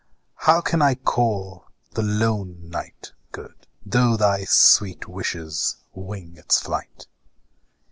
How can I call the lone night good, Though thy sweet wishes wing its flight?